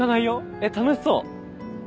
えっ楽しそう。